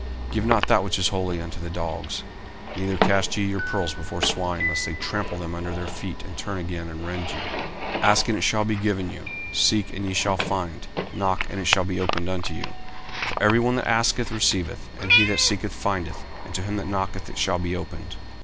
40:007:006 Give not that which is holy unto the dogs, neither cast ye your pearls before swine, lest they trample them under their feet, and turn again and rend you. 40:007:007 Ask, and it shall be given you; seek, and ye shall find; knock, and it shall be opened unto you: 40:007:008 For every one that asketh receiveth; and he that seeketh findeth; and to him that knocketh it shall be opened.